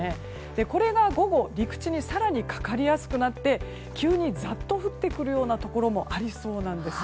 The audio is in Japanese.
これが午後、陸地に更にかかりやすくなって急にザッと降ってくるようなところもありそうなんです。